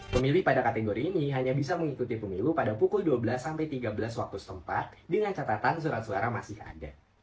pemilih pada kategori ini hanya bisa mengikuti pemilu pada pukul dua belas sampai tiga belas waktu setempat dengan catatan surat suara masih ada